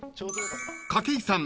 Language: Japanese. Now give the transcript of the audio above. ［筧さん